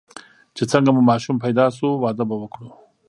چې څنګه مو ماشوم پیدا شو، واده به وکړو.